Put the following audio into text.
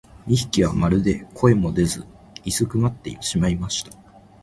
二疋はまるで声も出ず居すくまってしまいました。